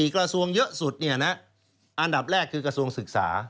กระทรวงเยอะสุดอันดับแรกคือกระทรวงศึกษา